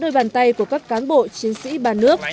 đôi bàn tay của các cán bộ chiến sĩ ba nước